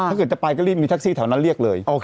ถ้าเกิดจะไปก็รีบมีแท็กซี่แถวนั้นเรียกเลย